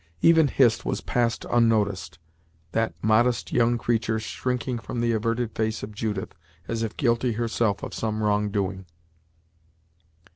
Even Hist was passed unnoticed, that modest young creature shrinking from the averted face of Judith, as if guilty herself of some wrongdoing.